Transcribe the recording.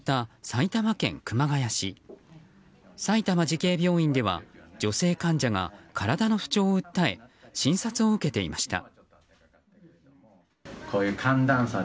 埼玉慈恵病院では女性患者が体の不調を訴え診察を受けていました。